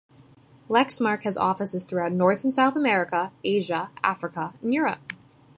Lexmark has offices throughout North and South America, Asia, Africa and Europe.